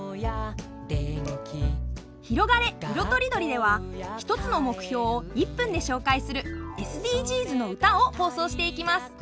「ひろがれ！いろとりどり」では１つの目標を１分で紹介する「ＳＤＧｓのうた」を放送していきます。